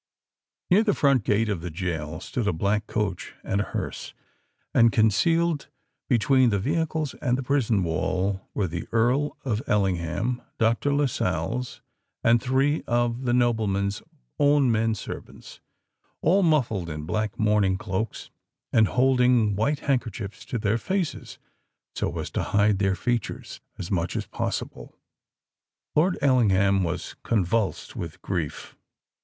Near the front gate of the gaol stood a black coach and a hearse;—and concealed between the vehicles and the prison wall, were the Earl of Ellingham, Dr. Lascelles, and three of the nobleman's own men servants, all muffled in black mourning cloaks, and holding white handkerchiefs to their faces so as to hide their features as much as possible. Lord Ellingham was convulsed with grief.